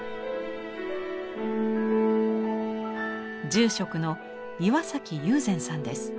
住職の岩崎宥全さんです。